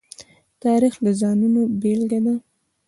تاریخ د ځانونو بېلګه ده.